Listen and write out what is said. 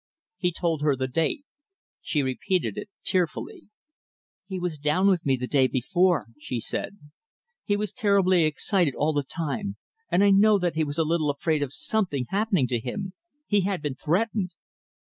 He told her the date. She repeated it tearfully. "He was down with me the day before," she said. "He was terribly excited all the time, and I know that he was a little afraid of something happening to him. He had been threatened!"